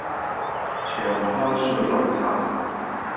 長開水龍頭